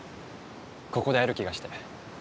ここで会える気がして。